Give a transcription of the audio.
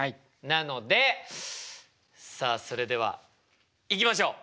なのでさあそれではいきましょう。